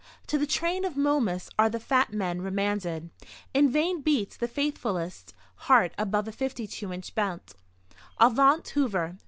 To the train of Momus are the fat men remanded. In vain beats the faithfullest heart above a 52 inch belt. Avaunt, Hoover!